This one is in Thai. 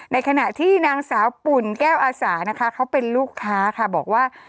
ในขณะที่นางสาวปุ่นแก้วอาสานะคะเขาเป็นลูกค้าค่ะบอกว่า